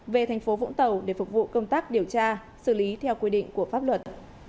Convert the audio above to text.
về thành phố vũng tàu để phục vụ công tác điều tra xử lý theo quy định của pháp luật